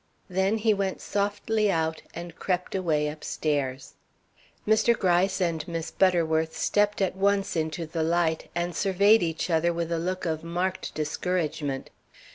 Then he went softly out, and crept away upstairs. Mr. Gryce and Miss Butterworth stepped at once into the light, and surveyed each other with a look of marked discouragement.